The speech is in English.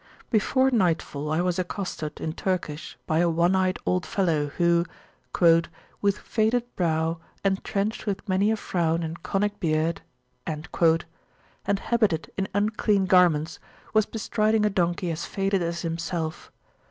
Before nightfall I was accosted, in Turkish, by a one eyed old fellow, who, with faded brow, Entrenched with many a frown, and conic beard, and habited in unclean garments, was bestriding a donkey as faded as himself.